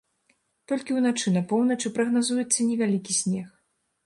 Толькі ўначы на поўначы прагназуецца невялікі снег.